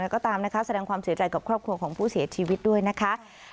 ก็ตามนะคะแสดงความเสียใจกับครอบครัวของผู้เสียชีวิตด้วยนะคะ